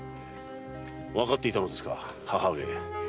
わかっていたのですか母上。